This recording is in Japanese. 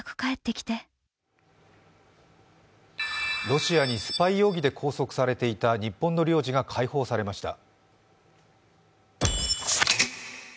ロシアにスパイ容疑で拘束されていた日本の領事が解放されました。